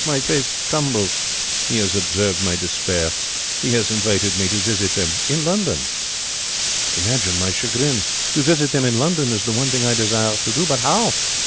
My face tumbles. He has observed my despair. He has invited me to visit them in London. Imagine my chagrin. To visit them in London is the one thing I desire to do. But how?